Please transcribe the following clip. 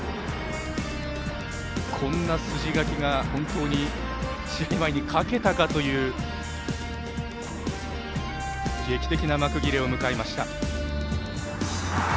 こんな筋書きが本当に試合前に書けたかという劇的な幕切れを迎えました。